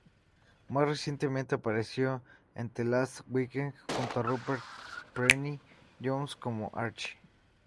Más recientemente apareció en "The Last Weekend", junto a Rupert Penry-Jones, como Archie.